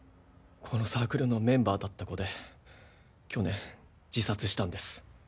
このサークルのメンバーだった子で去年自殺したんです。